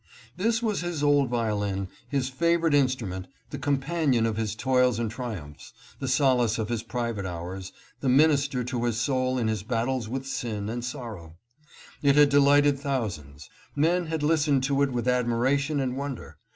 This was his old violin, his favorite instrument, the compan ion of his toils and triumphs, the solace of his private hours, the minister to his soul in his battles with sin and sorrow. It had delighted thousands. Men had listened to it with admiration and wonder.